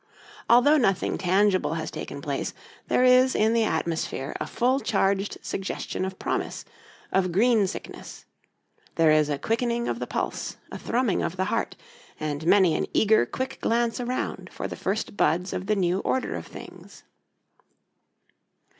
Although nothing tangible has taken place, there is in the atmosphere a full charged suggestion of promise, of green sickness; there is a quickening of the pulse, a thrumming of the heart, and many an eager, quick glance around for the first buds of the new order of things.